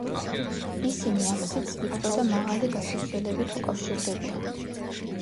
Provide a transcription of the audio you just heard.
ისინი აფსიდს ვიწრო და მაღალი გასასვლელებით უკავშირდებიან.